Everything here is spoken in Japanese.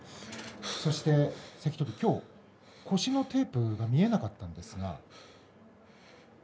そして関取、きょう腰のテープが見えなかったんですが？